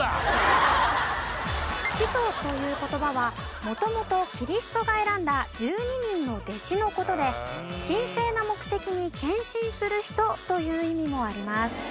「使徒」という言葉は元々キリストが選んだ１２人の弟子の事で神聖な目的に献身する人という意味もあります。